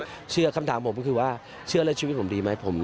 คำถามในคำถามเมื่อกี้คือว่าเชื่อแล้วชีวิตผมดีไหม